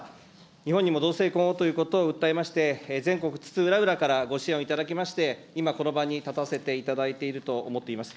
日本にも同性婚をということを訴えまして、全国津々浦々からご支援をいただきまして、今この場に立たせていただいていると思っております。